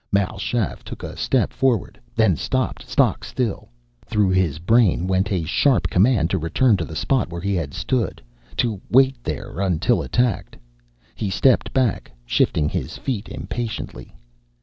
Mal Shaff took a step forward, then stopped stock still. Through his brain went a sharp command to return to the spot where he had stood, to wait there until attacked. He stepped back, shifting his feet impatiently.